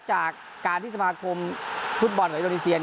จากการที่สมาคมฟุตบอลของอินโดนีเซีย